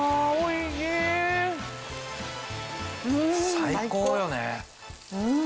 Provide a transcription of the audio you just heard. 最高よね。